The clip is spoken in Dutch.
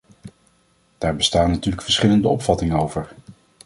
Daar bestaan natuurlijk verschillende opvattingen over.